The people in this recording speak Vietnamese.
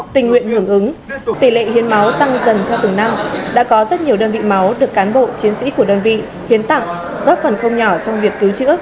tình nguyện hưởng ứng tỷ lệ hiến máu tăng dần theo từng năm đã có rất nhiều đơn vị máu được cán bộ chiến sĩ của đơn vị hiến tặng góp phần không nhỏ trong việc cứu chữa